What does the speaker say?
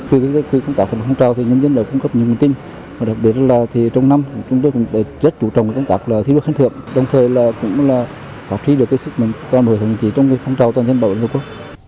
từ cái công tác phòng trào thì nhân dân đã cung cấp nhiều nguồn tin đặc biệt là trong năm chúng tôi cũng rất chủ trọng công tác thi đuôi khán thượng đồng thời cũng là phát triển được sức mạnh toàn hồi thành tỷ trong cái phòng trào toàn dân bộ